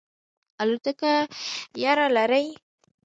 الوتکه یره لرئ؟